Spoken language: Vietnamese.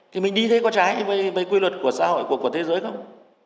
thì mình đi thế có trái với quy luật của xã hội của thế giới không